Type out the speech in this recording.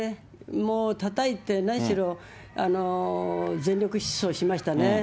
もうたたいて、なにしろ全力疾走しましたね。